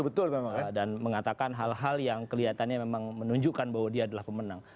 betul dan mengatakan hal hal yang kelihatannya memang menunjukkan bahwa dia adalah pemenang